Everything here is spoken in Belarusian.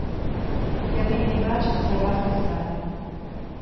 Яны іначацца разам з намі.